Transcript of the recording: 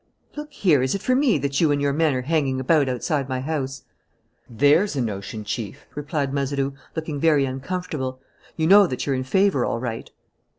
"Look here, is it for me that you and your men are hanging about outside my house?" "There's a notion, Chief," replied Mazeroux, looking very uncomfortable. "You know that you're in favour all right!"